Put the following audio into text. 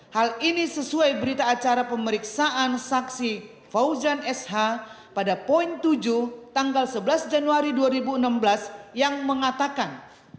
hal ini sesuai berita acara pemeriksaan saksi fauzan sh pada poin tujuh tanggal sebelas januari dua ribu enam belas yang mengatakan